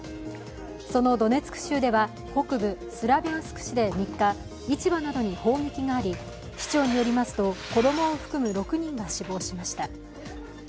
そのドネツク州では北部スラビャンスク市で３日市場などに砲撃があり、市長によりますと子供を含む６人が死亡しました。